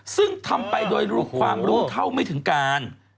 ซึ่งทำไปโดยฝั่งรู้เท่าไม่ถึงการ